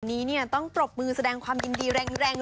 นี้เนี่ยต้องปรบมือแสดงความยินดีแรง